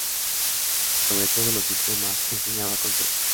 Sobre todos los sistemas, enseñaba con su ejemplo.